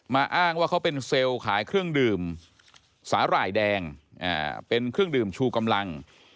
อ้างว่าเขาเป็นเซลล์ขายเครื่องดื่มสาหร่ายแดงเป็นเครื่องดื่มชูกำลัง